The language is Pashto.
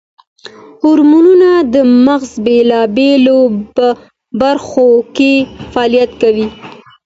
هورمونونه د مغز بېلابېلو برخو کې فعالیت کوي.